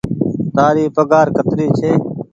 تآري پگهآر ڪتري ڇي۔